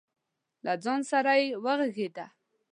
له ځان سره یې وغږېده.